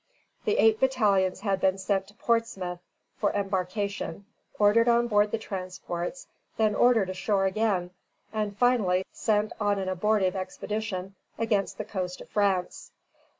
_] The eight battalions had been sent to Portsmouth for embarkation, ordered on board the transports, then ordered ashore again, and finally sent on an abortive expedition against the coast of France.